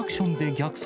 逆走！